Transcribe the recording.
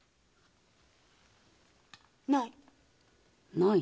ない。